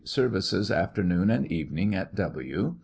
Services afternoon and evening at W